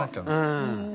うん。